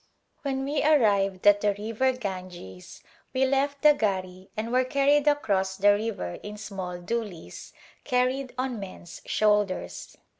When we arrived at the river Ganges we left the gari and were carried across the river in small doolies carried on men*s shoulders.